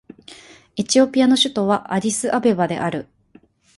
エチオピアの首都はアディスアベバである